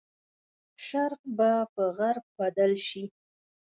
شرق به په غرب بدل شي.